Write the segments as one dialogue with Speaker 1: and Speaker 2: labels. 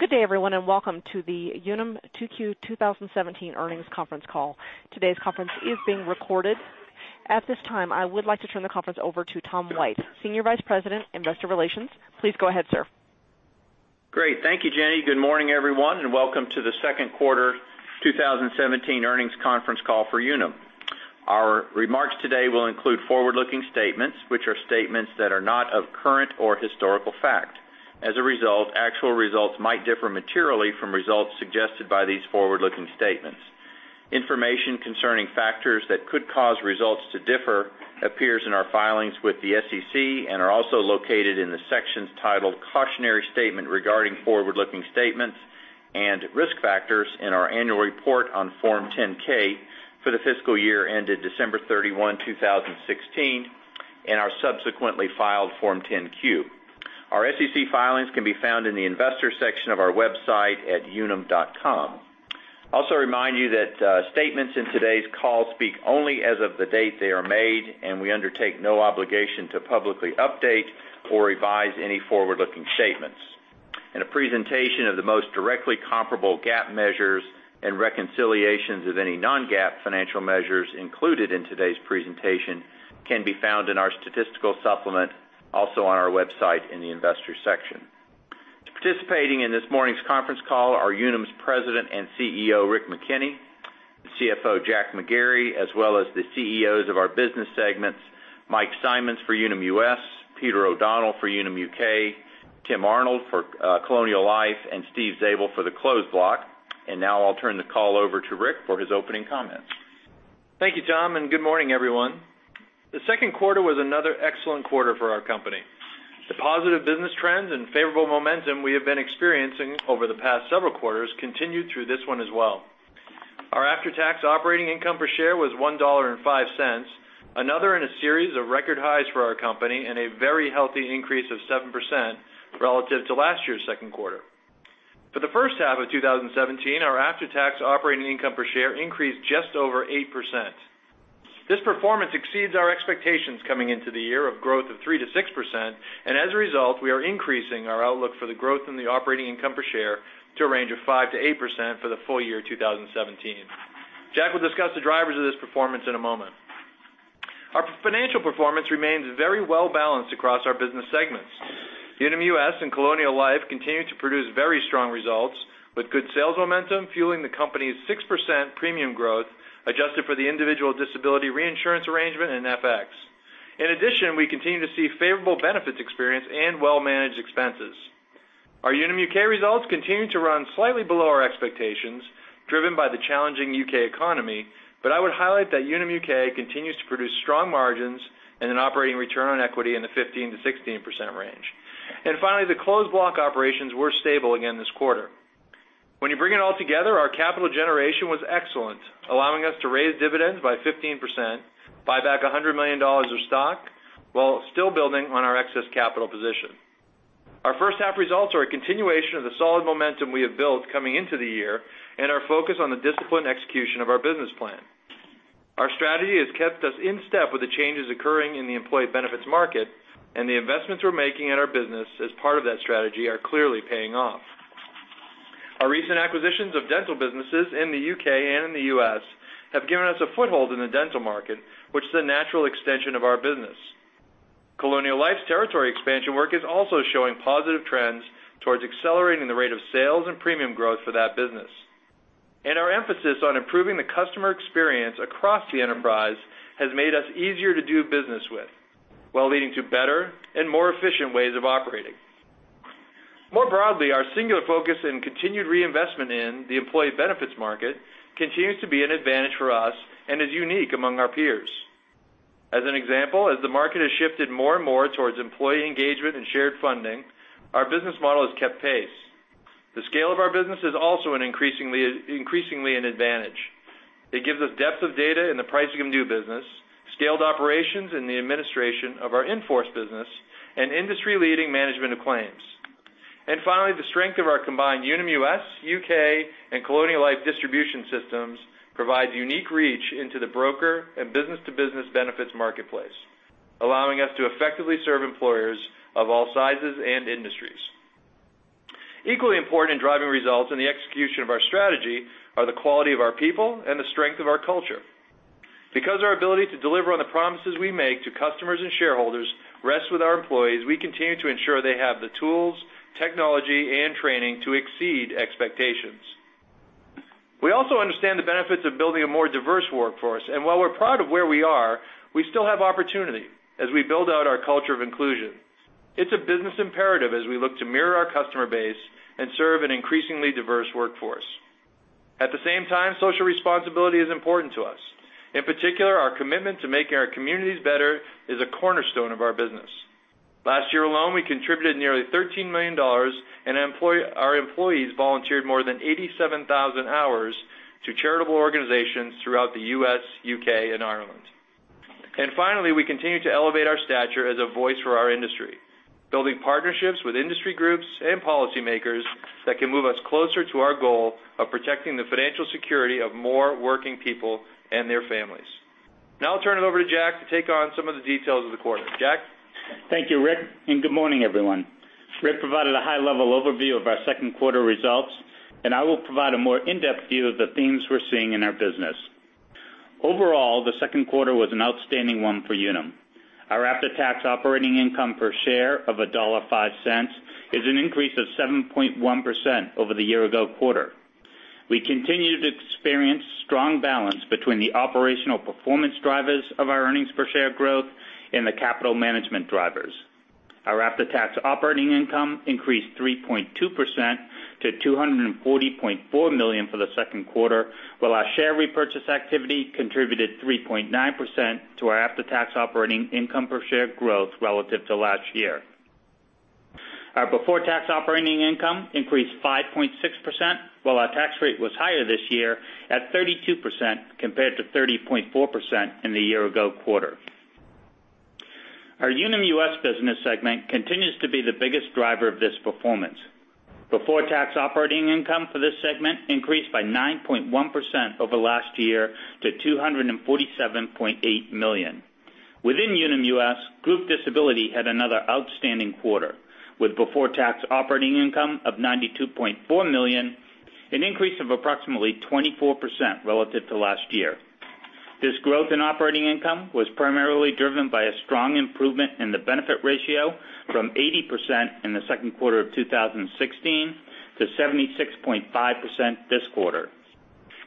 Speaker 1: Good day everyone, welcome to the Unum 2Q 2017 Earnings Conference Call. Today's conference is being recorded. At this time, I would like to turn the conference over to Tom White, Senior Vice President, Investor Relations. Please go ahead, sir.
Speaker 2: Great. Thank you, Jenny. Good morning, everyone, welcome to the second quarter 2017 earnings conference call for Unum. Our remarks today will include forward-looking statements, which are statements that are not of current or historical fact. As a result, actual results might differ materially from results suggested by these forward-looking statements. Information concerning factors that could cause results to differ appears in our filings with the SEC and are also located in the sections titled "Cautionary Statement Regarding Forward-Looking Statements" and "Risk Factors" in our annual report on Form 10-K for the fiscal year ended December 31, 2016, and our subsequently filed Form 10-Q. Our SEC filings can be found in the investor section of our website at unum.com. I also remind you that statements in today's call speak only as of the date they are made, we undertake no obligation to publicly update or revise any forward-looking statements. A presentation of the most directly comparable GAAP measures and reconciliations of any non-GAAP financial measures included in today's presentation can be found in our statistical supplement, also on our website in the investor section. Participating in this morning's conference call are Unum's President and CEO, Rick McKinney, the CFO, Jack McGarry, as well as the CEOs of our business segments, Mike Simonds for Unum US, Peter O'Donnell for Unum UK, Tim Arnold for Colonial Life, Steve Zabel for the Closed Block. Now I'll turn the call over to Rick for his opening comments.
Speaker 3: Thank you, Tom, good morning, everyone. The second quarter was another excellent quarter for our company. The positive business trends and favorable momentum we have been experiencing over the past several quarters continued through this one as well. Our after-tax operating income per share was $1.05, another in a series of record highs for our company, a very healthy increase of 7% relative to last year's second quarter. For the first half of 2017, our after-tax operating income per share increased just over 8%. This performance exceeds our expectations coming into the year of growth of 3%-6%. As a result, we are increasing our outlook for the growth in the operating income per share to a range of 5%-8% for the full year 2017. Jack will discuss the drivers of this performance in a moment. Our financial performance remains very well-balanced across our business segments. Unum US and Colonial Life continue to produce very strong results, with good sales momentum fueling the company's 6% premium growth, adjusted for the individual disability reinsurance arrangement and FX. We continue to see favorable benefits experience and well-managed expenses. Our Unum UK results continue to run slightly below our expectations, driven by the challenging U.K. economy, but I would highlight that Unum UK continues to produce strong margins and an operating return on equity in the 15%-16% range. Finally, the Closed Block operations were stable again this quarter. When you bring it all together, our capital generation was excellent, allowing us to raise dividends by 15%, buy back $100 million of stock, while still building on our excess capital position. Our first half results are a continuation of the solid momentum we have built coming into the year and our focus on the disciplined execution of our business plan. Our strategy has kept us in step with the changes occurring in the employee benefits market, and the investments we're making at our business as part of that strategy are clearly paying off. Our recent acquisitions of dental businesses in the U.K. and in the U.S. have given us a foothold in the dental market, which is a natural extension of our business. Colonial Life's territory expansion work is also showing positive trends towards accelerating the rate of sales and premium growth for that business. Our emphasis on improving the customer experience across the enterprise has made us easier to do business with, while leading to better and more efficient ways of operating. More broadly, our singular focus and continued reinvestment in the employee benefits market continues to be an advantage for us and is unique among our peers. As an example, as the market has shifted more and more towards employee engagement and shared funding, our business model has kept pace. The scale of our business is also increasingly an advantage. It gives us depth of data in the pricing of new business, scaled operations in the administration of our in-force business, and industry-leading management of claims. Finally, the strength of our combined Unum US, U.K., and Colonial Life distribution systems provide unique reach into the broker and business-to-business benefits marketplace, allowing us to effectively serve employers of all sizes and industries. Equally important in driving results in the execution of our strategy are the quality of our people and the strength of our culture. Our ability to deliver on the promises we make to customers and shareholders rests with our employees, we continue to ensure they have the tools, technology, and training to exceed expectations. We also understand the benefits of building a more diverse workforce, and while we're proud of where we are, we still have opportunity as we build out our culture of inclusion. It's a business imperative as we look to mirror our customer base and serve an increasingly diverse workforce. At the same time, social responsibility is important to us. In particular, our commitment to making our communities better is a cornerstone of our business. Last year alone, we contributed nearly $13 million, and our employees volunteered more than 87,000 hours to charitable organizations throughout the U.S., U.K., and Ireland. Finally, we continue to elevate our stature as a voice for our industry, building partnerships with industry groups and policymakers that can move us closer to our goal of protecting the financial security of more working people and their families. Now I'll turn it over to Jack to take on some of the details of the quarter. Jack?
Speaker 4: Thank you, Rick, and good morning, everyone. Rick provided a high-level overview of our second quarter results, and I will provide a more in-depth view of the themes we're seeing in our business. Overall, the second quarter was an outstanding one for Unum. Our after-tax operating income per share of $1.05 is an increase of 7.1% over the year-ago quarter. We continue to experience strong balance between the operational performance drivers of our earnings per share growth and the capital management drivers. Our after-tax operating income increased 3.2% to $240.4 million for the second quarter, while our share repurchase activity contributed 3.9% to our after-tax operating income per share growth relative to last year. Our before-tax operating income increased 5.6%, while our tax rate was higher this year at 32% compared to 30.4% in the year-ago quarter. Our Unum US business segment continues to be the biggest driver of this performance. Before-tax operating income for this segment increased by 9.1% over last year to $247.8 million. Within Unum US, group disability had another outstanding quarter, with before-tax operating income of $92.4 million, an increase of approximately 24% relative to last year. This growth in operating income was primarily driven by a strong improvement in the benefit ratio from 80% in the second quarter of 2016 to 76.5% this quarter.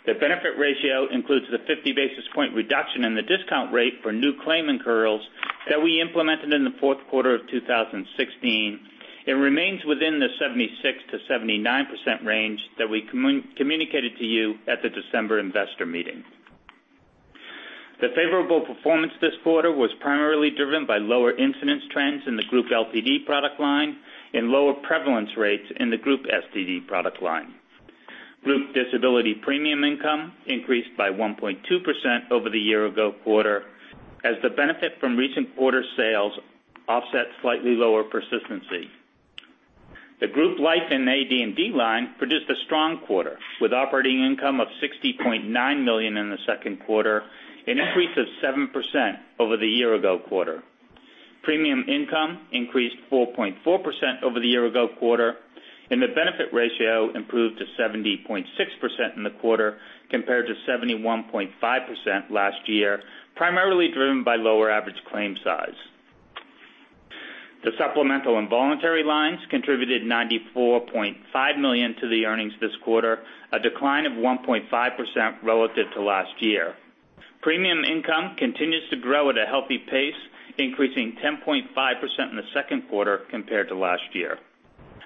Speaker 4: The benefit ratio includes the 50 basis point reduction in the discount rate for new claim incurrals that we implemented in the fourth quarter of 2016. It remains within the 76%-79% range that we communicated to you at the December investor meeting. The favorable performance this quarter was primarily driven by lower incidence trends in the group LTD product line and lower prevalence rates in the group STD product line. Group disability premium income increased by 1.2% over the year-ago quarter as the benefit from recent quarter sales offset slightly lower persistency. The group life and AD&D line produced a strong quarter, with operating income of $60.9 million in the second quarter, an increase of 7% over the year-ago quarter. Premium income increased 4.4% over the year-ago quarter, and the benefit ratio improved to 70.6% in the quarter, compared to 71.5% last year, primarily driven by lower average claim size. The supplemental and voluntary lines contributed $94.5 million to the earnings this quarter, a decline of 1.5% relative to last year. Premium income continues to grow at a healthy pace, increasing 10.5% in the second quarter compared to last year.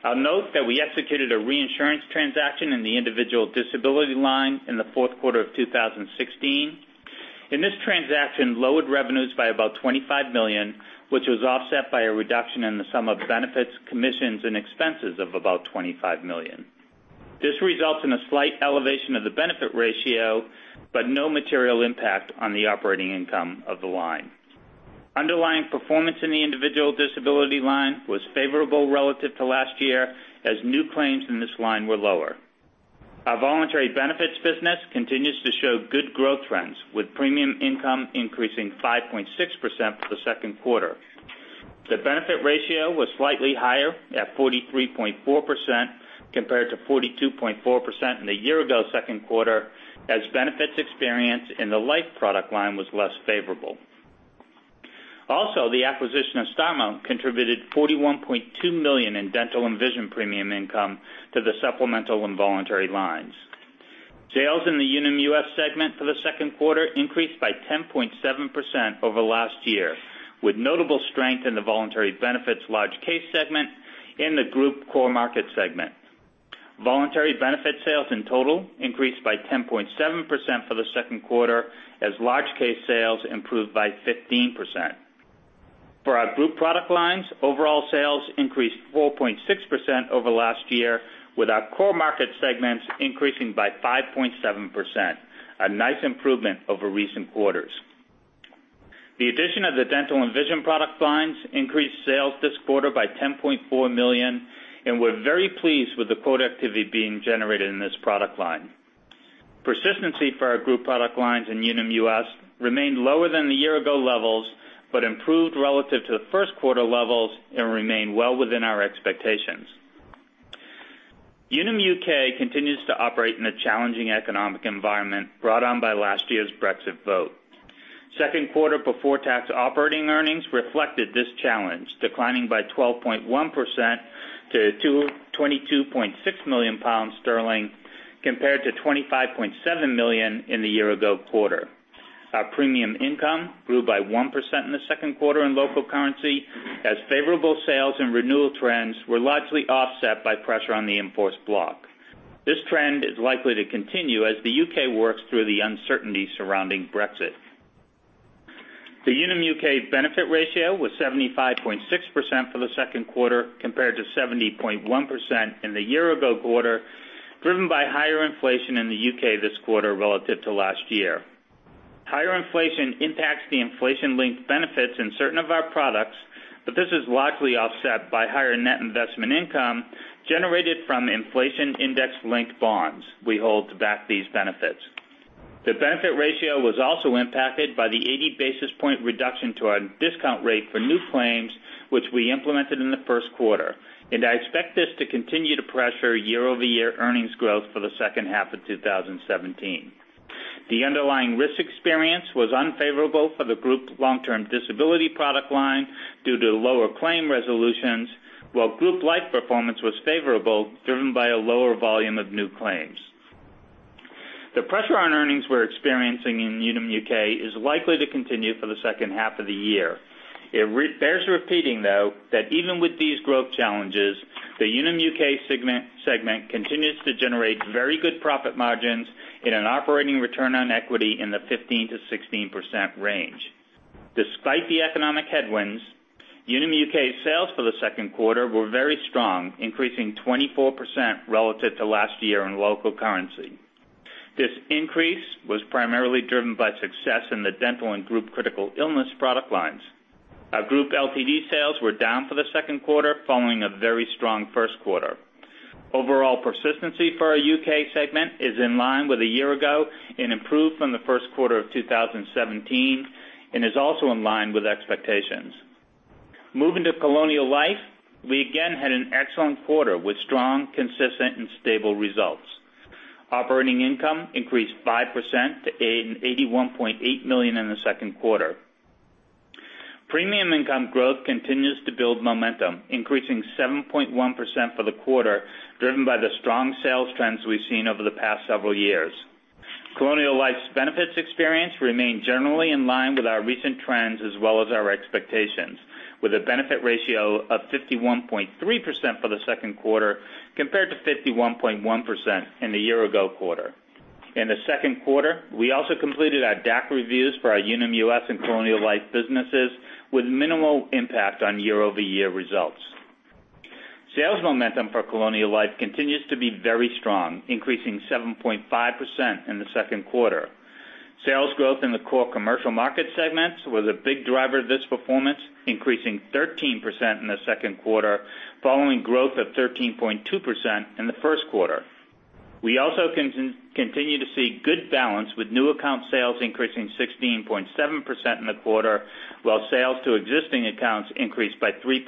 Speaker 4: I'll note that we executed a reinsurance transaction in the individual disability line in the fourth quarter of 2016, this transaction lowered revenues by about $25 million, which was offset by a reduction in the sum of benefits, commissions, and expenses of about $25 million. This results in a slight elevation of the benefit ratio, but no material impact on the operating income of the line. Underlying performance in the individual disability line was favorable relative to last year, as new claims in this line were lower. Our voluntary benefits business continues to show good growth trends, with premium income increasing 5.6% for the second quarter. The benefit ratio was slightly higher at 43.4% compared to 42.4% in the year ago second quarter, as benefits experienced in the life product line was less favorable. The acquisition of Starmount contributed $41.2 million in dental and vision premium income to the supplemental and voluntary lines. Sales in the Unum US segment for the second quarter increased by 10.7% over last year, with notable strength in the voluntary benefits large case segment and the group core market segment. Voluntary benefit sales in total increased by 10.7% for the second quarter as large case sales improved by 15%. For our group product lines, overall sales increased 4.6% over last year, with our core market segments increasing by 5.7%, a nice improvement over recent quarters. The addition of the dental and vision product lines increased sales this quarter by $10.4 million, we're very pleased with the quote activity being generated in this product line. Persistency for our group product lines in Unum US remained lower than the year ago levels, improved relative to the first quarter levels and remain well within our expectations. Unum UK continues to operate in a challenging economic environment brought on by last year's Brexit vote. Second quarter before-tax operating earnings reflected this challenge, declining by 12.1% to £22.6 million compared to £25.7 million in the year ago quarter. Our premium income grew by 1% in the second quarter in local currency as favorable sales and renewal trends were largely offset by pressure on the in-force block. This trend is likely to continue as the UK works through the uncertainty surrounding Brexit. The Unum UK benefit ratio was 75.6% for the second quarter compared to 70.1% in the year ago quarter, driven by higher inflation in the UK this quarter relative to last year. Higher inflation impacts the inflation-linked benefits in certain of our products this is likely offset by higher net investment income generated from inflation index-linked bonds we hold to back these benefits. The benefit ratio was also impacted by the 80 basis point reduction to our discount rate for new claims, which we implemented in the first quarter, I expect this to continue to pressure year-over-year earnings growth for the second half of 2017. The underlying risk experience was unfavorable for the group long-term disability product line due to lower claim resolutions, while group life performance was favorable, driven by a lower volume of new claims. The pressure on earnings we're experiencing in Unum UK is likely to continue for the second half of the year. It bears repeating, though, that even with these growth challenges, the Unum UK segment continues to generate very good profit margins in an operating return on equity in the 15%-16% range. Despite the economic headwinds, Unum UK sales for the second quarter were very strong, increasing 24% relative to last year in local currency. This increase was primarily driven by success in the Dental and Group Critical Illness product lines. Our group LTD sales were down for the second quarter, following a very strong first quarter. Overall persistency for our U.K. segment is in line with a year ago and improved from the first quarter of 2017 and is also in line with expectations. Moving to Colonial Life, we again had an excellent quarter with strong, consistent, and stable results. Operating income increased 5% to $81.8 million in the second quarter. Premium income growth continues to build momentum, increasing 7.1% for the quarter, driven by the strong sales trends we've seen over the past several years. Colonial Life's benefits experience remained generally in line with our recent trends as well as our expectations, with a benefit ratio of 51.3% for the second quarter, compared to 51.1% in the year-ago quarter. In the second quarter, we also completed our DAC reviews for our Unum US and Colonial Life businesses with minimal impact on year-over-year results. Sales momentum for Colonial Life continues to be very strong, increasing 7.5% in the second quarter. Sales growth in the core commercial market segments was a big driver of this performance, increasing 13% in the second quarter following growth of 13.2% in the first quarter. We also continue to see good balance with new account sales increasing 16.7% in the quarter, while sales to existing accounts increased by 3%.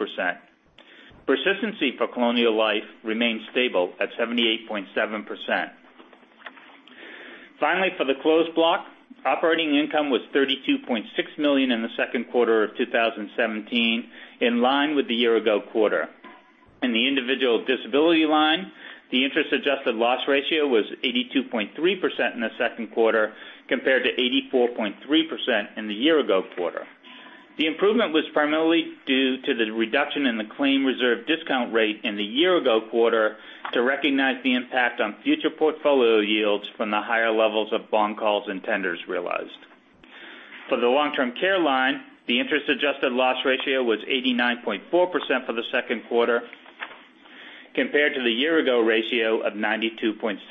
Speaker 4: Persistency for Colonial Life remains stable at 78.7%. Finally, for the Closed Block, operating income was $32.6 million in the second quarter of 2017, in line with the year-ago quarter. In the individual disability line, the interest-adjusted loss ratio was 82.3% in the second quarter, compared to 84.3% in the year-ago quarter. The improvement was primarily due to the reduction in the claim reserve discount rate in the year-ago quarter to recognize the impact on future portfolio yields from the higher levels of bond calls and tenders realized. For the long-term care line, the interest-adjusted loss ratio was 89.4% for the second quarter compared to the year-ago ratio of 92.6%.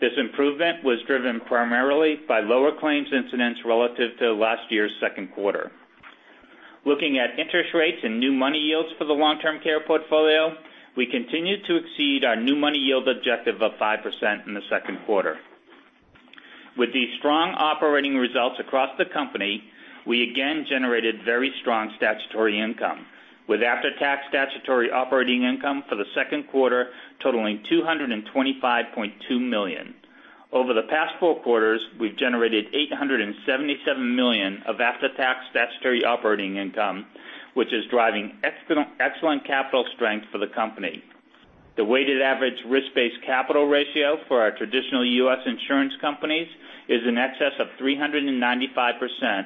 Speaker 4: This improvement was driven primarily by lower claims incidents relative to last year's second quarter. Looking at interest rates and new money yields for the long-term care portfolio, we continue to exceed our new money yield objective of 5% in the second quarter. With these strong operating results across the company, we again generated very strong statutory income, with after-tax statutory operating income for the second quarter totaling $225.2 million. Over the past four quarters, we've generated $877 million of after-tax statutory operating income, which is driving excellent capital strength for the company. The weighted average risk-based capital ratio for our traditional U.S. insurance companies is in excess of 395%,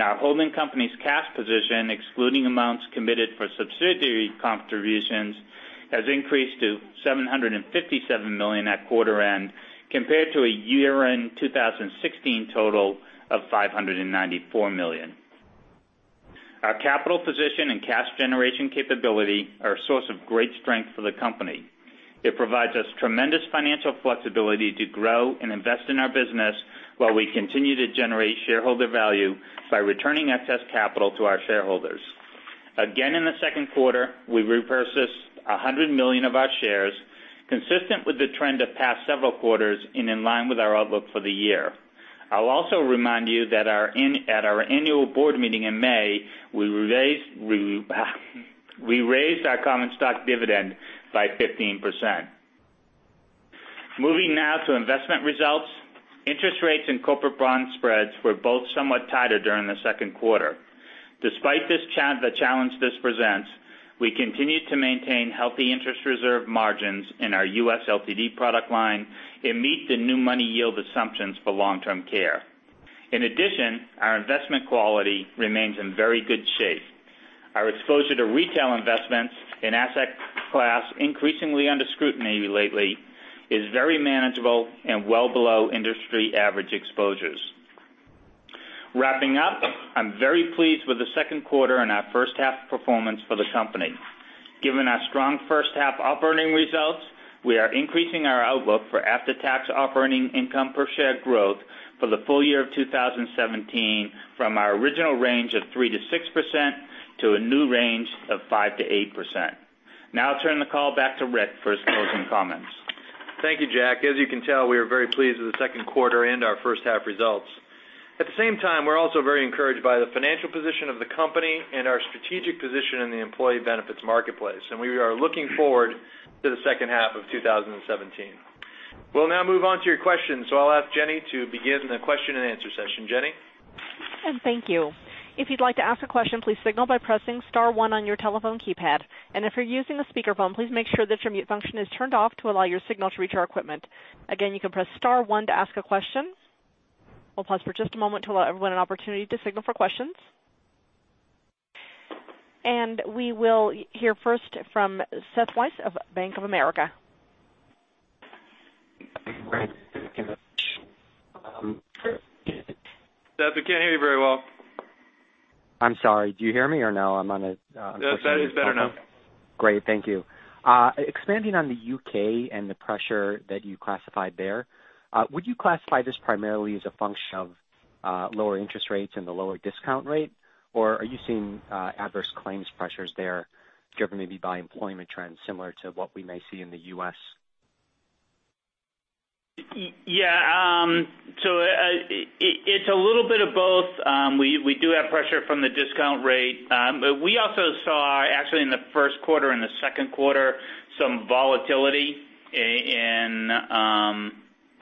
Speaker 4: our holding company's cash position, excluding amounts committed for subsidiary contributions, has increased to $757 million at quarter end, compared to a year-end 2016 total of $594 million. Our capital position and cash generation capability are a source of great strength for the company. It provides us tremendous financial flexibility to grow and invest in our business while we continue to generate shareholder value by returning excess capital to our shareholders. Again, in the second quarter, we repurchased $100 million of our shares, consistent with the trend of past several quarters and in line with our outlook for the year. I'll also remind you that at our annual board meeting in May, we raised our common stock dividend by 15%. Moving now to investment results. Interest rates and corporate bond spreads were both somewhat tighter during the second quarter. Despite the challenge this presents, we continue to maintain healthy interest reserve margins in our U.S. LTD product line and meet the new money yield assumptions for long-term care. In addition, our investment quality remains in very good shape. Our exposure to retail investments, an asset class increasingly under scrutiny lately, is very manageable and well below industry average exposures. Wrapping up, I'm very pleased with the second quarter and our first half performance for the company. Given our strong first half operating results, we are increasing our outlook for after-tax operating income per share growth for the full year of 2017 from our original range of 3%-6%, to a new range of 5%-8%. I'll turn the call back to Rick for his closing comments.
Speaker 3: Thank you, Jack. As you can tell, we are very pleased with the second quarter and our first half results. At the same time, we're also very encouraged by the financial position of the company and our strategic position in the employee benefits marketplace, we are looking forward to the second half of 2017. We'll now move on to your questions. I'll ask Jenny to begin the question and answer session. Jenny?
Speaker 1: Thank you. If you'd like to ask a question, please signal by pressing *1 on your telephone keypad. If you're using a speakerphone, please make sure that your mute function is turned off to allow your signal to reach our equipment. Again, you can press *1 to ask a question. We'll pause for just a moment to allow everyone an opportunity to signal for questions. We will hear first from Seth Weiss of Bank of America.
Speaker 3: Seth, we can't hear you very well.
Speaker 5: I'm sorry. Do you hear me or no?
Speaker 3: That is better now.
Speaker 5: Great. Thank you. Expanding on the U.K. and the pressure that you classified there, would you classify this primarily as a function of lower interest rates and the lower discount rate? Are you seeing adverse claims pressures there, driven maybe by employment trends similar to what we may see in the U.S.?
Speaker 4: It's a little bit of both. We do have pressure from the discount rate. We also saw, actually in the first quarter and the second quarter, some volatility in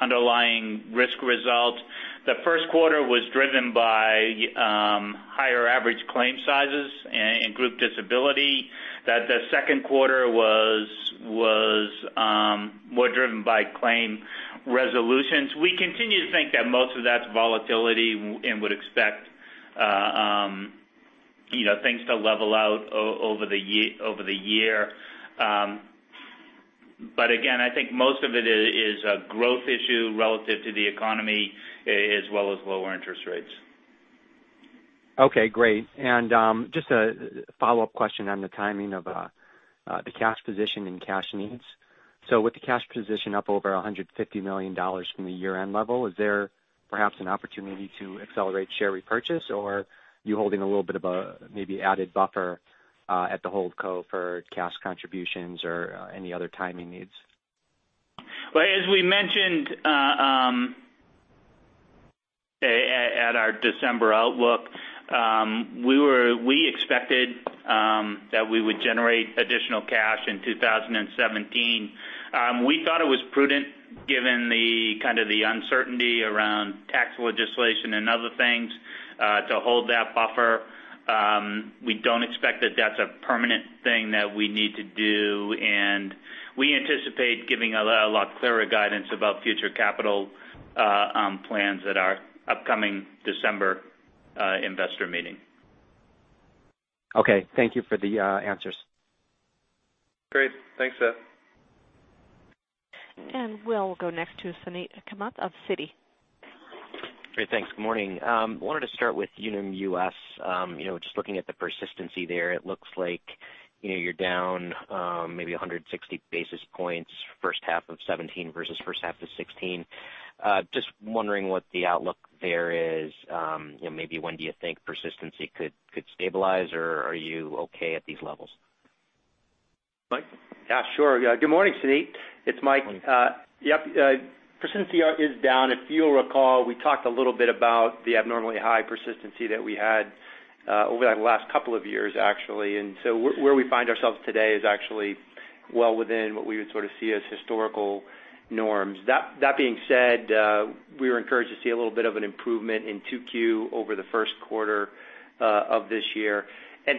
Speaker 4: underlying risk results. The first quarter was driven by higher average claim sizes and group disability. The second quarter was more driven by claim resolutions. We continue to think that most of that's volatility and would expect things to level out over the year. Again, I think most of it is a growth issue relative to the economy, as well as lower interest rates.
Speaker 5: Okay, great. Just a follow-up question on the timing of the cash position and cash needs. With the cash position up over $150 million from the year-end level, is there perhaps an opportunity to accelerate share repurchase, or are you holding a little bit of maybe added buffer at the hold co for cash contributions or any other timing needs?
Speaker 4: Well, as we mentioned at our December outlook, we expected that we would generate additional cash in 2017. We thought it was prudent, given the kind of the uncertainty around tax legislation and other things, to hold that buffer. We don't expect that that's a permanent thing that we need to do, and we anticipate giving a lot clearer guidance about future capital plans at our upcoming December investor meeting.
Speaker 5: Okay. Thank you for the answers.
Speaker 3: Great. Thanks, Seth.
Speaker 1: We'll go next to Suneet Kamath of Citi.
Speaker 6: Great. Thanks. Morning. I wanted to start with Unum US. Just looking at the persistency there, it looks like you're down maybe 160 basis points first half of 2017 versus first half of 2016. Just wondering what the outlook there is. Maybe when do you think persistency could stabilize, or are you okay at these levels?
Speaker 3: Mike?
Speaker 7: Yeah, sure. Good morning, Suneet. It's Mike.
Speaker 6: Morning.
Speaker 7: Yep. Persistency is down. If you'll recall, we talked a little bit about the abnormally high persistency that we had over the last couple of years, actually. Where we find ourselves today is actually well within what we would sort of see as historical norms. That being said, we were encouraged to see a little bit of an improvement in 2Q over the first quarter of this year.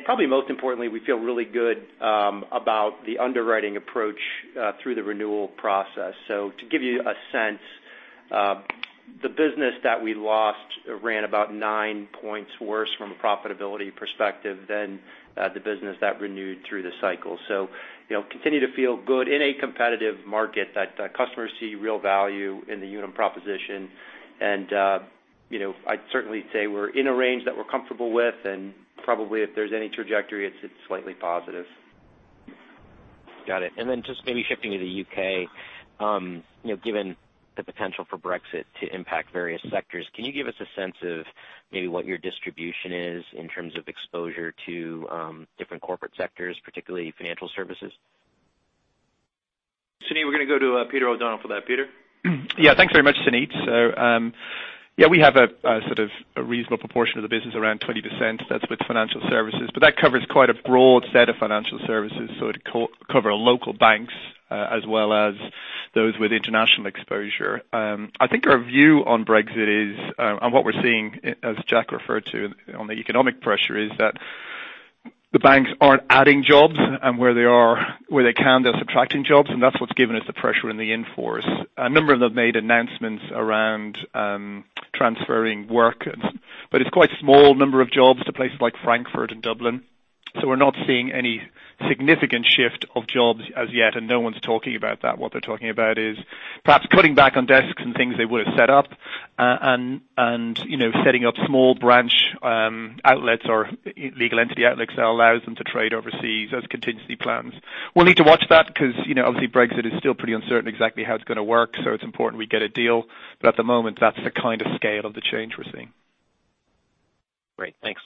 Speaker 7: Probably most importantly, we feel really good about the underwriting approach through the renewal process. To give you a sense, the business that we lost ran about nine points worse from a profitability perspective than the business that renewed through the cycle. Continue to feel good in a competitive market that customers see real value in the Unum proposition, and I'd certainly say we're in a range that we're comfortable with, and probably if there's any trajectory, it's slightly positive.
Speaker 6: Got it. Just maybe shifting to the U.K., given the potential for Brexit to impact various sectors, can you give us a sense of maybe what your distribution is in terms of exposure to different corporate sectors, particularly financial services?
Speaker 3: Suneet, we're going to go to Peter O'Donnell for that. Peter?
Speaker 8: Thanks very much, Suneet. We have a sort of a reasonable proportion of the business, around 20%, that's with financial services. That covers quite a broad set of financial services. It cover local banks as well as those with international exposure. I think our view on Brexit is, on what we're seeing, as Jack referred to on the economic pressure, is that the banks aren't adding jobs, and where they can, they're subtracting jobs, and that's what's given us the pressure in the in-force. A number of them made announcements around transferring work, but it's quite a small number of jobs to places like Frankfurt and Dublin, so we're not seeing any significant shift of jobs as yet, and no one's talking about that. What they're talking about is perhaps cutting back on desks and things they would have set up. Setting up small branch outlets or legal entity outlets that allows them to trade overseas as contingency plans. We'll need to watch that because obviously Brexit is still pretty uncertain exactly how it's going to work, so it's important we get a deal. At the moment, that's the kind of scale of the change we're seeing.
Speaker 6: Great. Thanks.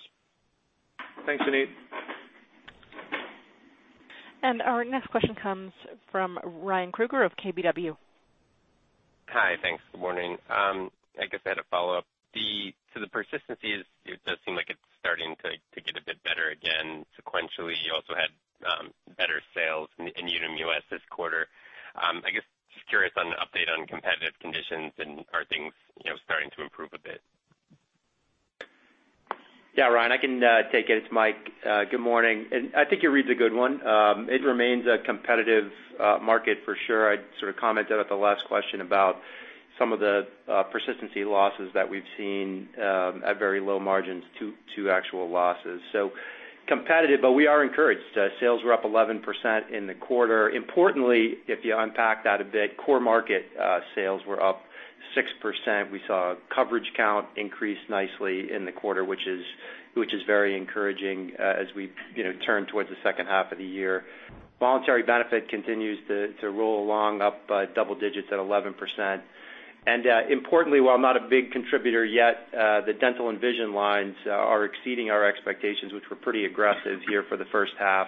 Speaker 3: Thanks, Suneet.
Speaker 1: Our next question comes from Ryan Krueger of KBW.
Speaker 9: Hi. Thanks. Good morning. I guess I had a follow-up. The persistency, it does seem like it's starting to get a bit better again sequentially. You also had better sales in Unum US this quarter. I guess just curious on an update on competitive conditions and are things starting to improve a bit?
Speaker 7: Yeah, Ryan, I can take it. It's Mike. Good morning. I think your read's a good one. It remains a competitive market for sure. I sort of commented at the last question about some of the persistency losses that we've seen at very low margins to actual losses. Competitive, but we are encouraged. Sales were up 11% in the quarter. Importantly, if you unpack that a bit, core market sales were up 6%. We saw coverage count increase nicely in the quarter, which is very encouraging as we turn towards the second half of the year. Voluntary benefit continues to roll along up double digits at 11%. Importantly, while not a big contributor yet, the dental and vision lines are exceeding our expectations, which were pretty aggressive here for the first half.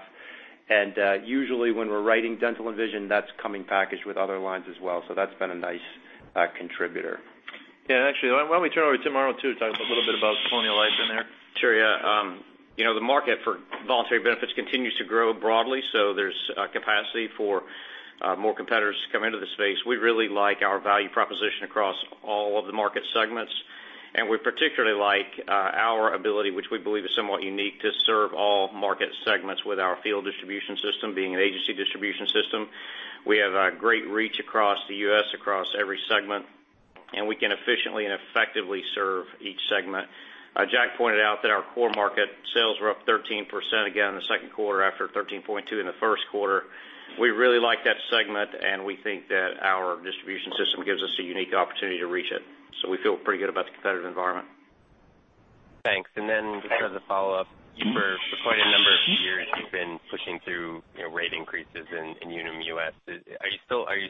Speaker 7: Usually when we're writing dental and vision, that's coming packaged with other lines as well. That's been a nice contributor.
Speaker 3: Yeah, actually, why don't we turn over to Tim Arnold to talk a little bit about Colonial Life in there?
Speaker 10: Sure, yeah. The market for voluntary benefits continues to grow broadly, so there's capacity for more competitors to come into the space. We really like our value proposition across all of the market segments, and we particularly like our ability, which we believe is somewhat unique, to serve all market segments with our field distribution system. Being an agency distribution system, we have a great reach across the U.S., across every segment, and we can efficiently and effectively serve each segment. Jack pointed out that our core market sales were up 13% again in the second quarter after 13.2 in the first quarter. We really like that segment, and we think that our distribution system gives us a unique opportunity to reach it. We feel pretty good about the competitive environment.
Speaker 9: Thanks. Just as a follow-up, for quite a number of years, you've been pushing through rate increases in Unum US. Are you still, I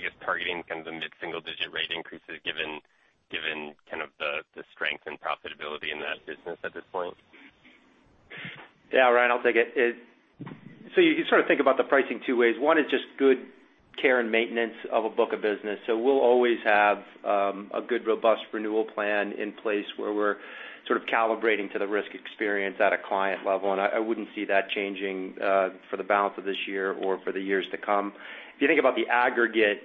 Speaker 9: guess, targeting kind of the mid-single-digit rate increases given kind of the strength and profitability in that business at this point?
Speaker 7: Yeah, Ryan, I'll take it. You sort of think about the pricing two ways. One is just good care and maintenance of a book of business. We'll always have a good, robust renewal plan in place where we're sort of calibrating to the risk experience at a client level. I wouldn't see that changing for the balance of this year or for the years to come. If you think about the aggregate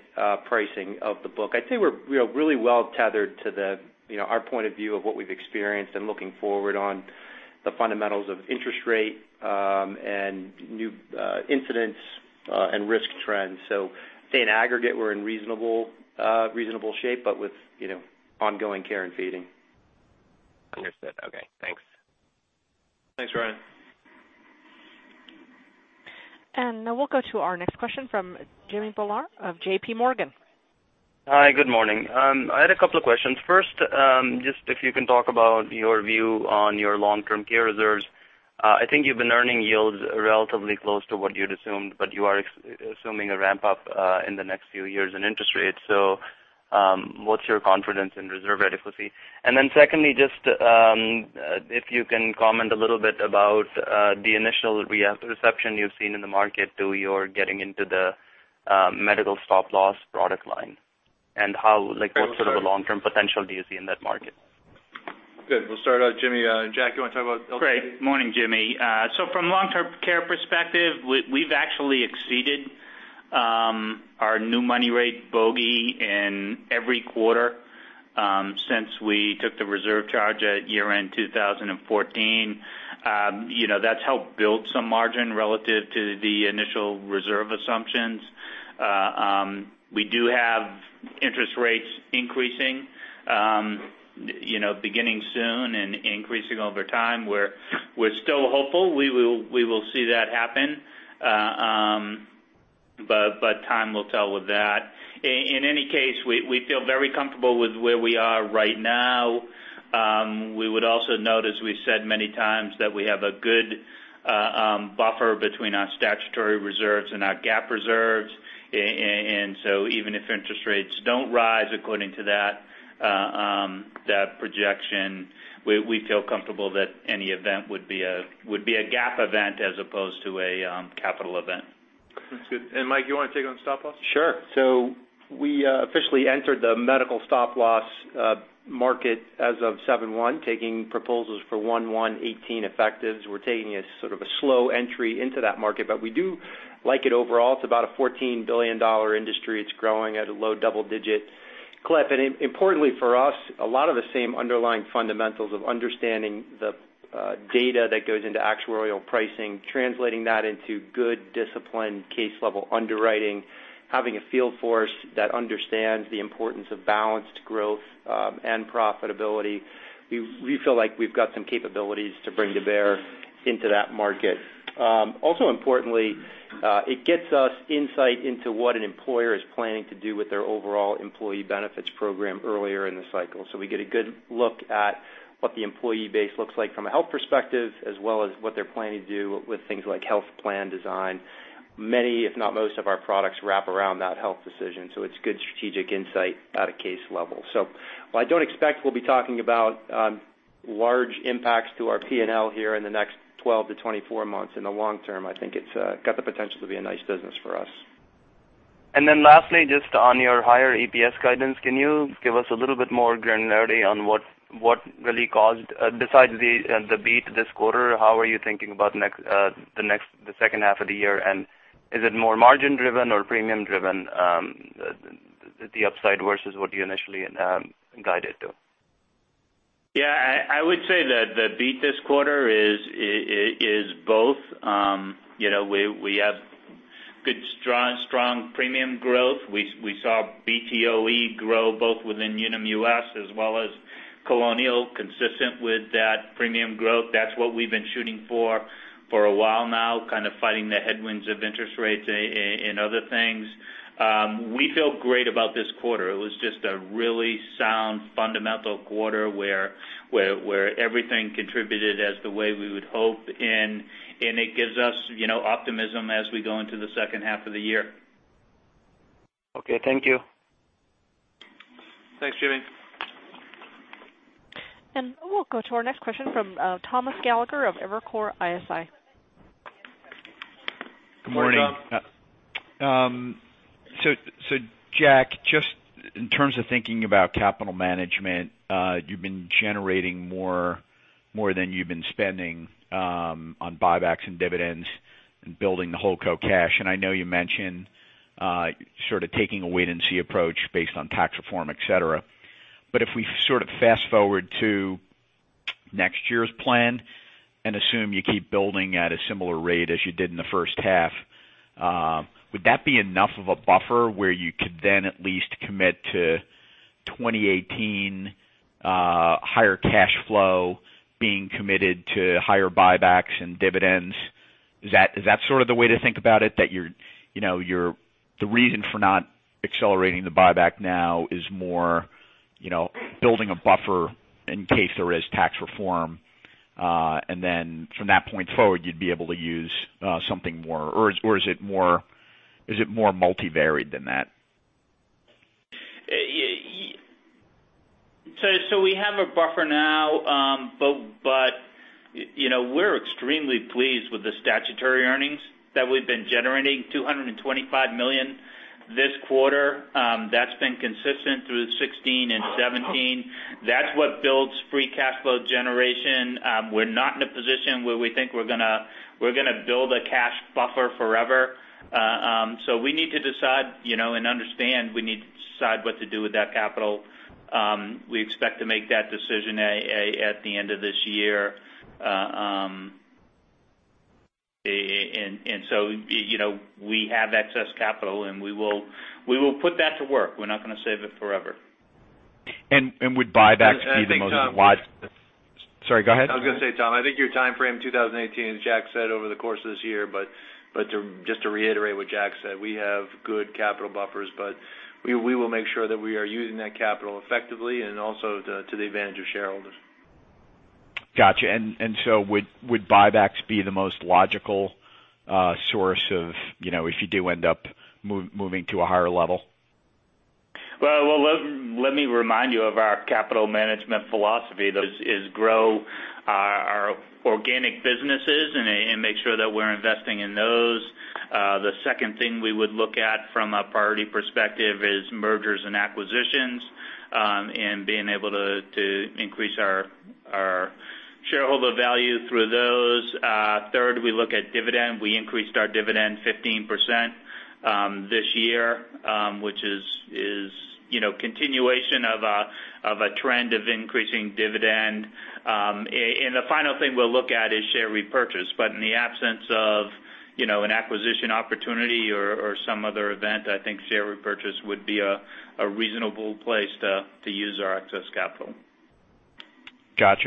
Speaker 7: pricing of the book, I'd say we're really well tethered to our point of view of what we've experienced and looking forward on the fundamentals of interest rate and new incidents and risk trends. I'd say in aggregate, we're in reasonable shape, but with ongoing care and feeding.
Speaker 9: Understood. Okay, thanks.
Speaker 3: Thanks, Ryan.
Speaker 1: Now we'll go to our next question from Jimmy Bhullar of J.P. Morgan.
Speaker 11: Hi, good morning. I had a couple of questions. First, just if you can talk about your view on your long-term care reserves. I think you've been earning yields relatively close to what you'd assumed, but you are assuming a ramp-up in the next few years in interest rates. What's your confidence in reserve adequacy? Secondly, just if you can comment a little bit about the initial reception you've seen in the market to your getting into the medical stop loss product line, and what sort of a long-term potential do you see in that market?
Speaker 3: Good. We'll start out, Jimmy. Jack, you want to talk about LT?
Speaker 4: Great. Morning, Jimmy. From long-term care perspective, we've actually exceeded our new money rate bogey in every quarter since we took the reserve charge at year-end 2014. That's helped build some margin relative to the initial reserve assumptions. We do have interest rates increasing beginning soon and increasing over time. We're still hopeful we will see that happen, but time will tell with that. In any case, we feel very comfortable with where we are right now. We would also note, as we've said many times, that we have a good buffer between our statutory reserves and our GAAP reserves. Even if interest rates don't rise according to that projection, we feel comfortable that any event would be a GAAP event as opposed to a capital event.
Speaker 3: That's good. Mike, you want to take it on stop loss?
Speaker 7: Sure. We officially entered the medical stop loss market as of 7/1, taking proposals for 1/1/2018 effectives. We're taking a sort of a slow entry into that market, but we do like it overall. It's about a $14 billion industry. It's growing at a low double-digit clip. Importantly for us, a lot of the same underlying fundamentals of understanding the data that goes into actuarial pricing, translating that into good, disciplined case level underwriting, having a field force that understands the importance of balanced growth and profitability. We feel like we've got some capabilities to bring to bear into that market. Also importantly, it gets us insight into what an employer is planning to do with their overall employee benefits program earlier in the cycle. We get a good look at what the employee base looks like from a health perspective, as well as what they're planning to do with things like health plan design. Many, if not most of our products, wrap around that health decision, so it's good strategic insight at a case level. While I don't expect we'll be talking about large impacts to our P&L here in the next 12 to 24 months. In the long term, I think it's got the potential to be a nice business for us.
Speaker 11: Lastly, just on your higher EPS guidance, can you give us a little bit more granularity on what really caused, besides the beat this quarter, how are you thinking about the second half of the year, and is it more margin-driven or premium-driven, the upside versus what you initially guided to?
Speaker 4: I would say that the beat this quarter is both. We have good, strong premium growth. We saw BTOE grow both within Unum US as well as Colonial, consistent with that premium growth. That's what we've been shooting for for a while now, kind of fighting the headwinds of interest rates and other things. We feel great about this quarter. It was just a really sound, fundamental quarter where everything contributed as the way we would hope, and it gives us optimism as we go into the second half of the year.
Speaker 11: Thank you.
Speaker 3: Thanks, Jimmy.
Speaker 1: We'll go to our next question from Thomas Gallagher of Evercore ISI.
Speaker 3: Good morning. Morning, Tom.
Speaker 12: Jack, just in terms of thinking about capital management, you've been generating more than you've been spending on buybacks and dividends and building the wholeco cash. I know you mentioned sort of taking a wait-and-see approach based on tax reform, et cetera. If we sort of fast-forward to next year's plan and assume you keep building at a similar rate as you did in the first half, would that be enough of a buffer where you could then at least commit to 2018 higher cash flow being committed to higher buybacks and dividends? Is that sort of the way to think about it? That the reason for not accelerating the buyback now is more building a buffer in case there is tax reform, then from that point forward, you'd be able to use something more? Or is it more multivariate than that?
Speaker 4: We have a buffer now, we're extremely pleased with the statutory earnings that we've been generating, $225 million this quarter. That's been consistent through 2016 and 2017. That's what builds free cash flow generation. We're not in a position where we think we're going to build a cash buffer forever. We need to decide and understand, we need to decide what to do with that capital. We expect to make that decision at the end of this year. We have excess capital, and we will put that to work. We're not going to save it forever.
Speaker 12: Would buybacks be the most wise.
Speaker 4: I think, Tom.
Speaker 12: Sorry, go ahead.
Speaker 3: I was going to say, Tom, I think your timeframe 2018, as Jack said, over the course of this year, but just to reiterate what Jack said, we have good capital buffers, but we will make sure that we are using that capital effectively and also to the advantage of shareholders.
Speaker 12: Got you. Would buybacks be the most logical source if you do end up moving to a higher level?
Speaker 3: Well, let me remind you of our capital management philosophy, though, is grow our organic businesses and make sure that we're investing in those. The second thing we would look at from a priority perspective is mergers and acquisitions, and being able to increase our shareholder value through those. Third, we look at dividend. We increased our dividend 15% this year, which is continuation of a trend of increasing dividend. The final thing we'll look at is share repurchase. In the absence of an acquisition opportunity or some other event, I think share repurchase would be a reasonable place to use our excess capital.
Speaker 12: Got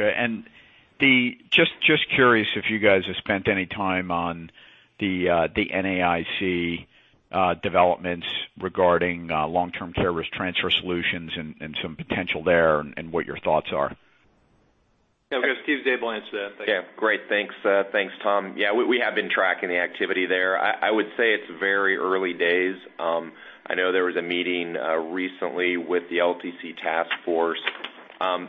Speaker 12: you. Just curious if you guys have spent any time on the NAIC developments regarding long-term care risk transfer solutions and some potential there, and what your thoughts are.
Speaker 3: Yeah. We'll go to Steve to be able to answer that. Thank you.
Speaker 13: Yeah. Great. Thanks, Tom. We have been tracking the activity there. I would say it's very early days. I know there was a meeting recently with the LTC task force.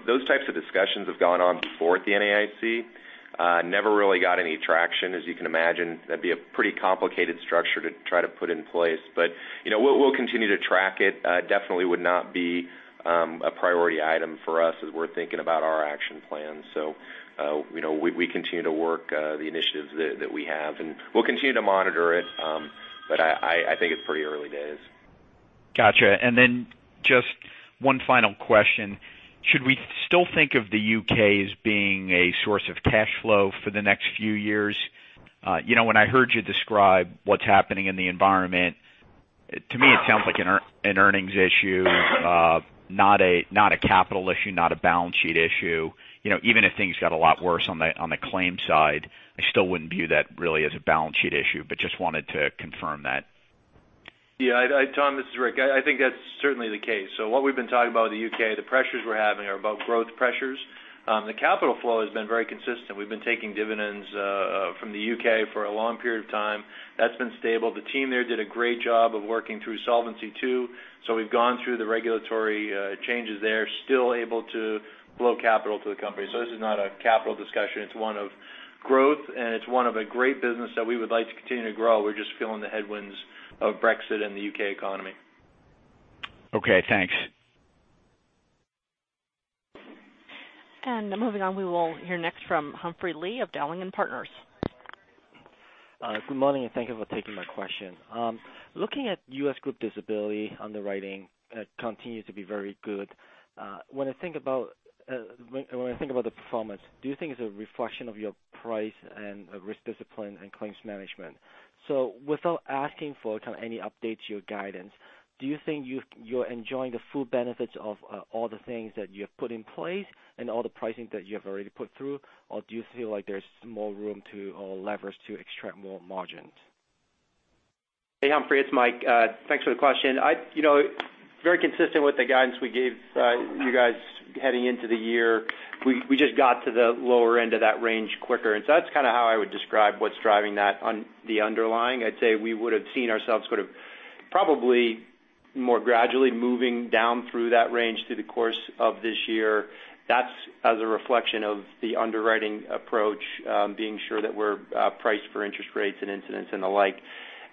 Speaker 13: Those types of discussions have gone on before at the NAIC. Never really got any traction. As you can imagine, that'd be a pretty complicated structure to try to put in place. We'll continue to track it. Definitely would not be a priority item for us as we're thinking about our action plan. We continue to work the initiatives that we have, and we'll continue to monitor it. I think it's pretty early days.
Speaker 12: Got you. Just one final question. Should we still think of the U.K. as being a source of cash flow for the next few years? When I heard you describe what's happening in the environment To me, it sounds like an earnings issue, not a capital issue, not a balance sheet issue. Even if things got a lot worse on the claims side, I still wouldn't view that really as a balance sheet issue, just wanted to confirm that.
Speaker 3: Tom, this is Rick. I think that's certainly the case. What we've been talking about in the U.K., the pressures we're having are about growth pressures. The capital flow has been very consistent. We've been taking dividends from the U.K. for a long period of time. That's been stable. The team there did a great job of working through Solvency II, so we've gone through the regulatory changes there, still able to flow capital to the company. This is not a capital discussion. It's one of growth, and it's one of a great business that we would like to continue to grow. We're just feeling the headwinds of Brexit and the U.K. economy.
Speaker 12: Okay, thanks.
Speaker 1: Moving on, we will hear next from Humphrey Lee of Dowling & Partners.
Speaker 14: Good morning, and thank you for taking my question. Looking at U.S. group disability underwriting continues to be very good. When I think about the performance, do you think it's a reflection of your price and risk discipline and claims management? Without asking for any updates to your guidance, do you think you're enjoying the full benefits of all the things that you have put in place and all the pricing that you have already put through, or do you feel like there's more room to, or leverage to extract more margins?
Speaker 7: Hey, Humphrey, it's Mike. Thanks for the question. Very consistent with the guidance we gave you guys heading into the year. We just got to the lower end of that range quicker. That's how I would describe what's driving that on the underlying. I'd say we would've seen ourselves sort of probably more gradually moving down through that range through the course of this year. That's as a reflection of the underwriting approach, being sure that we're priced for interest rates and incidents and the like.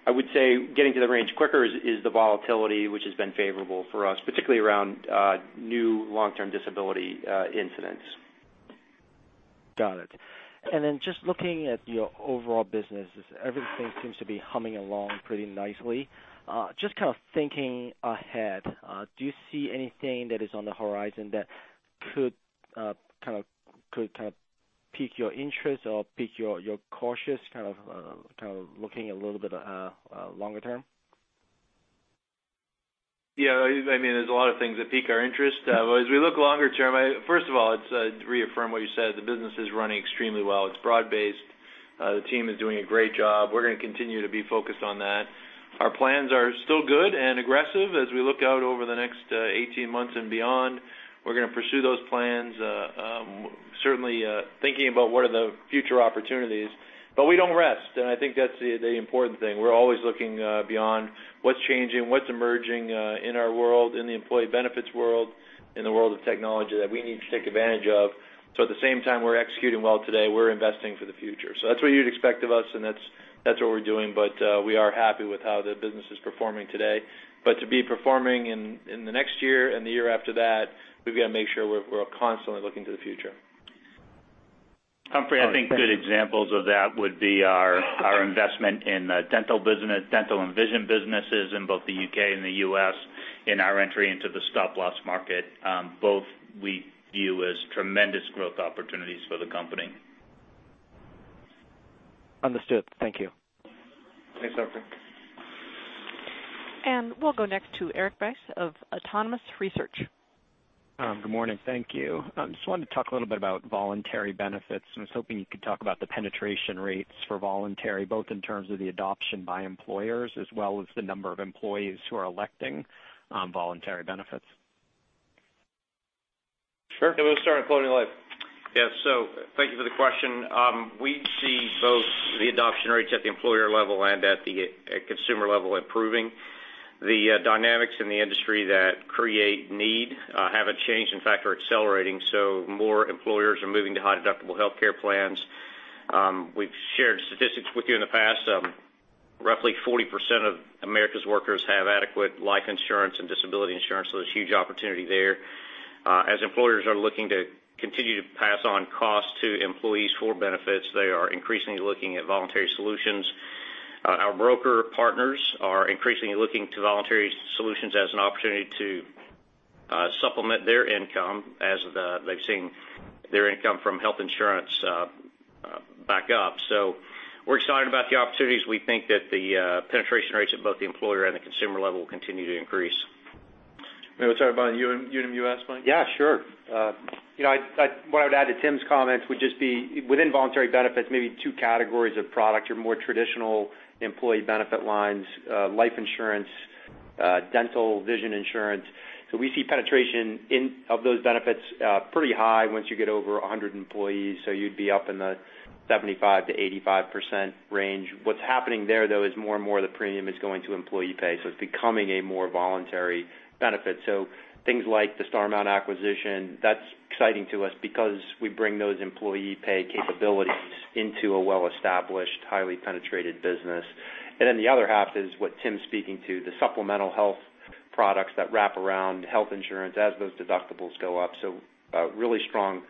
Speaker 7: I would say getting to the range quicker is the volatility which has been favorable for us, particularly around new long-term disability incidents.
Speaker 14: Got it. Just looking at your overall business, everything seems to be humming along pretty nicely. Just kind of thinking ahead, do you see anything that is on the horizon that could kind of pique your interest or pique your cautious, kind of looking a little bit longer term?
Speaker 3: Yeah, there's a lot of things that pique our interest. As we look longer term, first of all, to reaffirm what you said, the business is running extremely well. It's broad-based. The team is doing a great job. We're going to continue to be focused on that. Our plans are still good and aggressive as we look out over the next 18 months and beyond. We're going to pursue those plans, certainly thinking about what are the future opportunities. We don't rest, and I think that's the important thing. We're always looking beyond what's changing, what's emerging in our world, in the employee benefits world, in the world of technology that we need to take advantage of. At the same time we're executing well today, we're investing for the future. That's what you'd expect of us, and that's what we're doing, but we are happy with how the business is performing today. To be performing in the next year and the year after that, we've got to make sure we're constantly looking to the future.
Speaker 7: Humphrey, I think good examples of that would be our investment in the dental and vision businesses in both the U.K. and the U.S., and our entry into the stop-loss market. Both we view as tremendous growth opportunities for the company.
Speaker 14: Understood. Thank you.
Speaker 3: Thanks, Humphrey.
Speaker 1: We'll go next to Eric Bass of Autonomous Research.
Speaker 15: Good morning. Thank you. I just wanted to talk a little bit about voluntary benefits. I was hoping you could talk about the penetration rates for voluntary, both in terms of the adoption by employers as well as the number of employees who are electing voluntary benefits.
Speaker 3: Sure. We'll start at Colonial Life.
Speaker 10: Yes. Thank you for the question. We see both the adoption rates at the employer level and at the consumer level improving. The dynamics in the industry that create need haven't changed, in fact, are accelerating. More employers are moving to high-deductible healthcare plans. We've shared statistics with you in the past. Roughly 40% of America's workers have adequate life insurance and disability insurance. There's huge opportunity there. As employers are looking to continue to pass on costs to employees for benefits, they are increasingly looking at voluntary solutions. Our broker partners are increasingly looking to voluntary solutions as an opportunity to supplement their income as they've seen their income from health insurance back up. We're excited about the opportunities. We think that the penetration rates at both the employer and the consumer level will continue to increase.
Speaker 3: You want me to talk about Unum US, Mike?
Speaker 7: Yeah, sure. What I would add to Tim's comments would just be within voluntary benefits, maybe two categories of product, your more traditional employee benefit lines, life insurance, dental, vision insurance. We see penetration of those benefits pretty high once you get over 100 employees, so you'd be up in the 75%-85% range. What's happening there, though, is more and more of the premium is going to employee pay, so it's becoming a more voluntary benefit. Things like the Starmount acquisition, that's exciting to us because we bring those employee pay capabilities into a well-established, highly penetrated business. The other half is what Tim's speaking to, the supplemental health products that wrap around health insurance as those deductibles go up. Really strong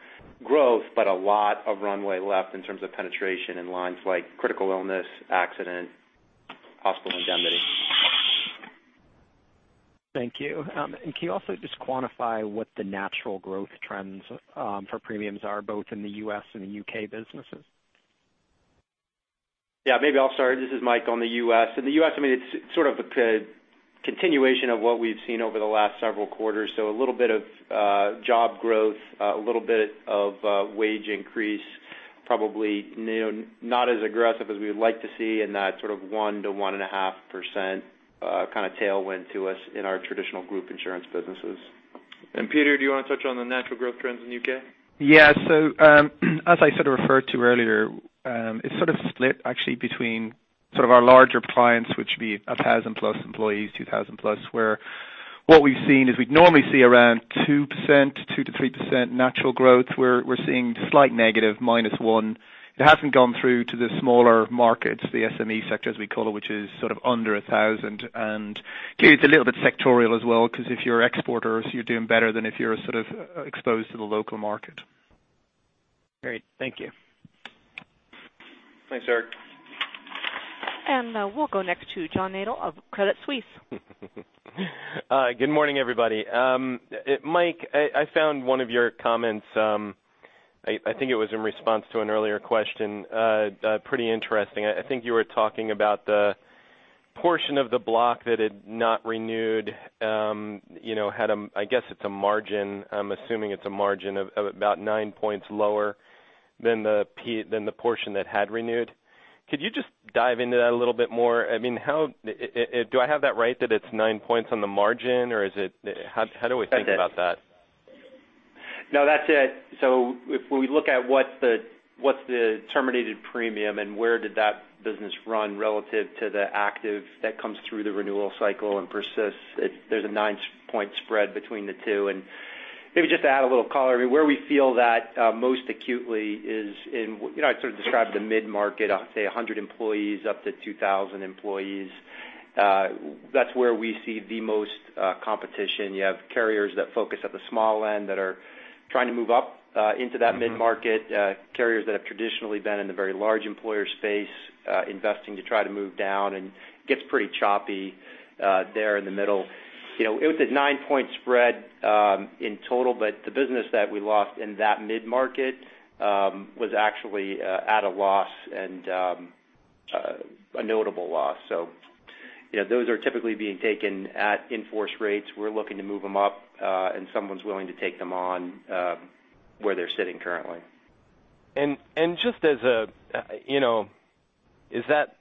Speaker 7: growth, but a lot of runway left in terms of penetration in lines like critical illness, accident, hospital indemnity.
Speaker 15: Thank you. Can you also just quantify what the natural growth trends for premiums are both in the U.S. and the U.K. businesses?
Speaker 7: Yeah. Maybe I'll start. This is Mike on the U.S. In the U.S., it's sort of a continuation of what we've seen over the last several quarters. A little bit of job growth, a little bit of wage increase, probably not as aggressive as we would like to see in that sort of 1%-1.5% kind of tailwind to us in our traditional group insurance businesses. Peter, do you want to touch on the natural growth trends in the U.K.?
Speaker 8: Yeah. As I sort of referred to earlier, it's sort of split actually between our larger clients, which would be 1,000-plus employees, 2,000-plus, where what we've seen is we'd normally see around 2%-3% natural growth. We're seeing slight negative, minus 1. It hasn't gone through to the smaller markets, the SME sector, as we call it, which is sort of under 1,000. Clearly, it's a little bit sectorial as well, because if you're exporters, you're doing better than if you're sort of exposed to the local market.
Speaker 15: Great. Thank you.
Speaker 3: Thanks, Eric.
Speaker 1: We'll go next to John Nadel of Credit Suisse.
Speaker 16: Good morning, everybody. Mike, I found one of your comments, I think it was in response to an earlier question, pretty interesting. I think you were talking about the portion of the block that had not renewed, had, I guess it's a margin. I'm assuming it's a margin of about nine points lower than the portion that had renewed. Could you just dive into that a little bit more? Do I have that right that it's nine points on the margin, or how do we think about that?
Speaker 7: No, that's it. If we look at what's the terminated premium and where did that business run relative to the active that comes through the renewal cycle and persists, there's a nine-point spread between the two. Maybe just to add a little color, where we feel that most acutely is in, I'd sort of describe the mid-market, I'd say 100 employees up to 2,000 employees. That's where we see the most competition. You have carriers that focus at the small end that are trying to move up into that mid-market. Carriers that have traditionally been in the very large employer space investing to try to move down, and gets pretty choppy there in the middle. It was a nine-point spread in total, but the business that we lost in that mid-market was actually at a loss, and a notable loss. Those are typically being taken at in-force rates. We're looking to move them up, and someone's willing to take them on where they're sitting currently.
Speaker 16: Is that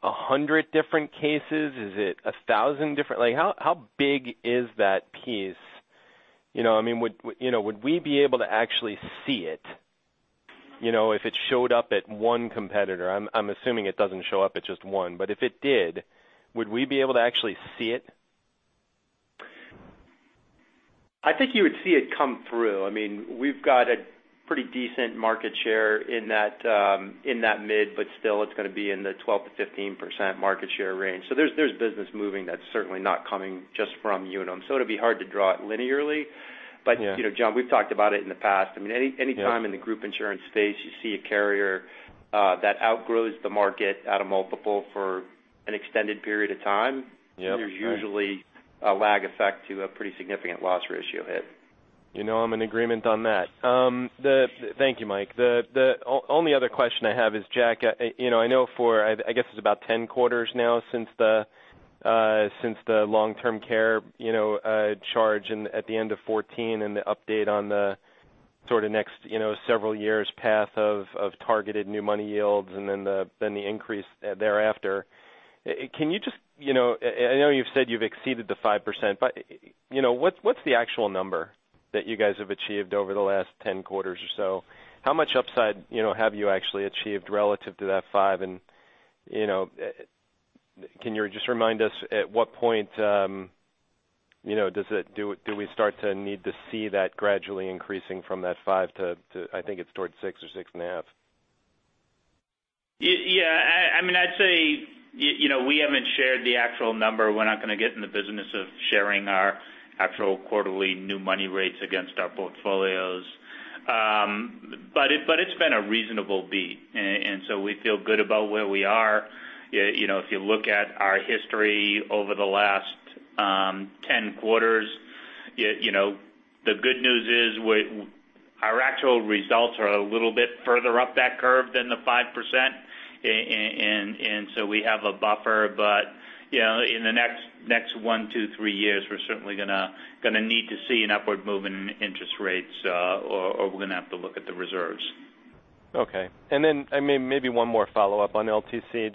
Speaker 16: 100 different cases? Is it 1,000 different how big is that piece? Would we be able to actually see it if it showed up at one competitor? I'm assuming it doesn't show up at just one, but if it did, would we be able to actually see it?
Speaker 7: I think you would see it come through. We've got a pretty decent market share in that mid, but still it's going to be in the 12%-15% market share range. There's business moving that's certainly not coming just from Unum. It'd be hard to draw it linearly.
Speaker 16: Yeah.
Speaker 7: John, we've talked about it in the past.
Speaker 16: Yeah.
Speaker 7: Anytime in the group insurance space, you see a carrier that outgrows the market at a multiple for an extended period of time.
Speaker 16: Yeah. Right
Speaker 7: There's usually a lag effect to a pretty significant loss ratio hit.
Speaker 16: I'm in agreement on that. Thank you, Mike. The only other question I have is, Jack, I know for, I guess it's about 10 quarters now since the long-term care charge at the end of 2014, and the update on the sort of next several years' path of targeted new money yields and then the increase thereafter. I know you've said you've exceeded the 5%, but what's the actual number that you guys have achieved over the last 10 quarters or so? How much upside have you actually achieved relative to that 5? Can you just remind us at what point do we start to need to see that gradually increasing from that 5 to, I think it's towards 6 or 6.5?
Speaker 4: Yeah. I'd say we haven't shared the actual number. We're not going to get in the business of sharing our actual quarterly new money rates against our portfolios. It's been a reasonable beat. We feel good about where we are. If you look at our history over the last 10 quarters, the good news is our actual results are a little bit further up that curve than the 5%, and so we have a buffer. In the next one, two, three years, we're certainly going to need to see an upward movement in interest rates, or we're going to have to look at the reserves.
Speaker 16: Okay. Maybe one more follow-up on LTC.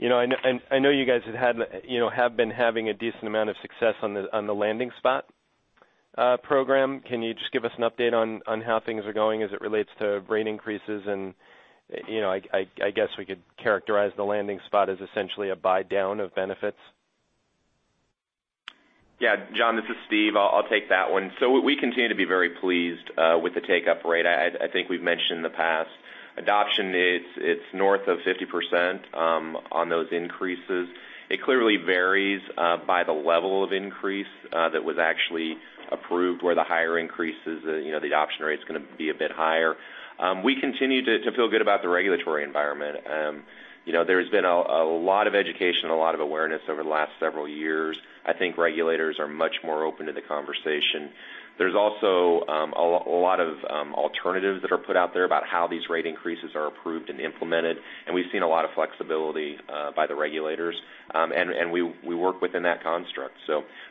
Speaker 16: I know you guys have been having a decent amount of success on the Landing Spot program. Can you just give us an update on how things are going as it relates to rate increases? I guess we could characterize the Landing Spot as essentially a buydown of benefits.
Speaker 13: Yeah. John, this is Steve. I'll take that one. We continue to be very pleased with the take-up rate. I think we've mentioned in the past Adoption, it's north of 50% on those increases. It clearly varies by the level of increase that was actually approved, where the higher increases, the adoption rate's going to be a bit higher. We continue to feel good about the regulatory environment. There's been a lot of education and a lot of awareness over the last several years. I think regulators are much more open to the conversation. There's also a lot of alternatives that are put out there about how these rate increases are approved and implemented, and we've seen a lot of flexibility by the regulators. We work within that construct.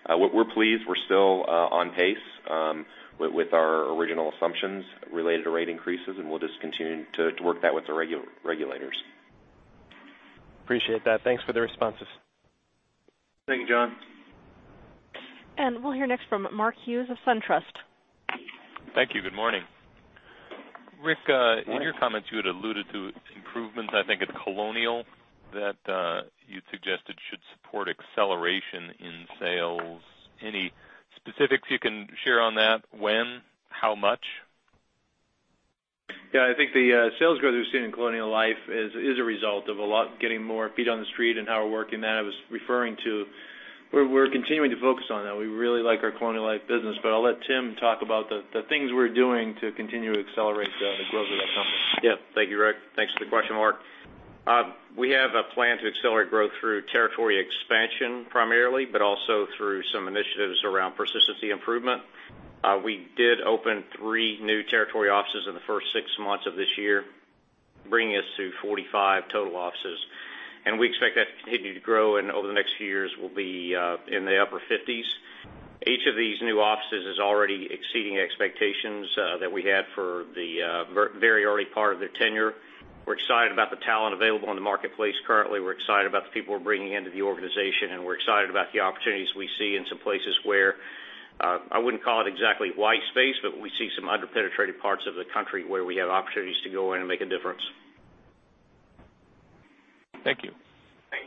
Speaker 13: We're pleased. We're still on pace with our original assumptions related to rate increases, and we'll just continue to work that with the regulators.
Speaker 16: Appreciate that. Thanks for the responses.
Speaker 3: Thank you, John.
Speaker 1: We'll hear next from Mark Hughes of SunTrust.
Speaker 17: Thank you. Good morning, Rick.
Speaker 3: Morning
Speaker 17: In your comments, you had alluded to improvements, I think, at Colonial that you suggested should support acceleration in sales. Any specifics you can share on that? When? How much?
Speaker 3: Yeah, I think the sales growth we've seen in Colonial Life is a result of getting more feet on the street and how we're working that. I was referring to we're continuing to focus on that. We really like our Colonial Life business, but I'll let Tim talk about the things we're doing to continue to accelerate the growth of that company.
Speaker 10: Yeah. Thank you, Rick. Thanks for the question, Mark. We have a plan to accelerate growth through territory expansion primarily, but also through some initiatives around persistency improvement. We did open three new territory offices in the first six months of this year, bringing us to 45 total offices, and we expect that to continue to grow, and over the next few years, we'll be in the upper fifties. Each of these new offices is already exceeding expectations that we had for the very early part of their tenure. We're excited about the talent available in the marketplace currently. We're excited about the people we're bringing into the organization, and we're excited about the opportunities we see in some places where, I wouldn't call it exactly white space, but we see some under-penetrated parts of the country where we have opportunities to go in and make a difference.
Speaker 17: Thank you.
Speaker 10: Thank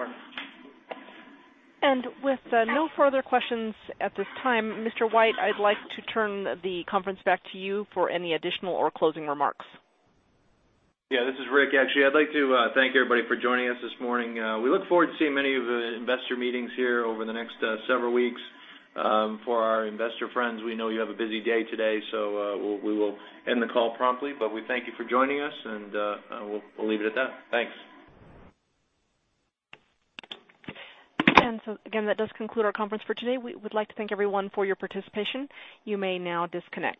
Speaker 10: you.
Speaker 3: Mark.
Speaker 1: With no further questions at this time, Mr. White, I'd like to turn the conference back to you for any additional or closing remarks.
Speaker 3: Yeah, this is Rick. Actually, I'd like to thank everybody for joining us this morning. We look forward to seeing many of you at investor meetings here over the next several weeks. For our investor friends, we know you have a busy day today, so we will end the call promptly. We thank you for joining us, and we'll leave it at that. Thanks.
Speaker 1: Again, that does conclude our conference for today. We would like to thank everyone for your participation. You may now disconnect.